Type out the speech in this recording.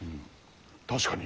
確かに。